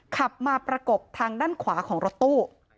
ขับมาประกบทางด้านขวาของรถตู้